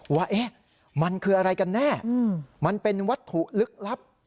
ว่ามันคืออะไรกันแน่มันเป็นวัตถุลึกลับ